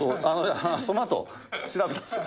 そのあと、調べたんですよ。